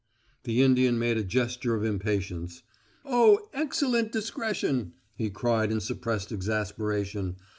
The Indian made a gesture of impatience. "Oh, excellent discretion!" he cried in suppressed exasperation.